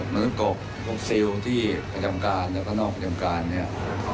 มนุษย์กกทุกซิลที่ประจำการแล้วก็นอกประจำการเนี้ย